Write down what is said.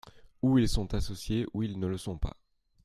Ou ils sont associés, ou ils ne le sont pas.